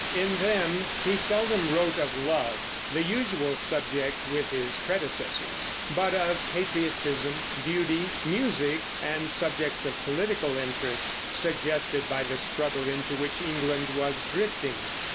In them he seldom wrote of love, the usual subject with his predecessors, but of patriotism, duty, music, and subjects of political interest suggested by the struggle into which England was drifting.